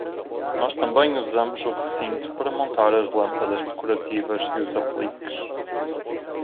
Nós também usamos o recinto para montar as lâmpadas decorativas e os apliques.